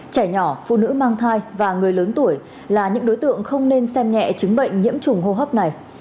trẻ nhỏ phụ nữ mang thai và người lớn tuổi là những đối tượng không nên xem nhẹ chứng bệnh nhiễm trùng hô hấp này